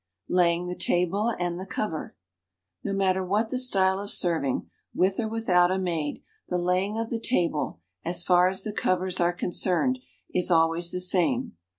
LAYING THE TABLE AND THE COVER Xo matter what the style of ser\'ing, with or without a maid, the laying of the table, as far as the co\ crs are concerned, is always the same.